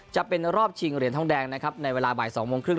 จะเป็นรอบชิงเหรียญทองแดงนะครับในเวลาบ่าย๒โมงครึ่ง